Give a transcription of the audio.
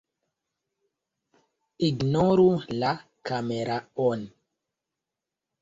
Ignoru la kameraon